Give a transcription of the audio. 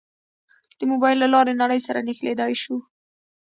د موبایل له لارې نړۍ سره نښلېدای شو.